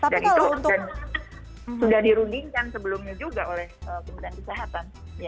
dan itu sudah dirundingkan sebelumnya juga oleh pemerintahan kesehatan